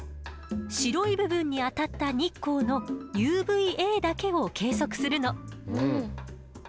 白い部分に当たった日光のＵＶーＡだけを計測するの。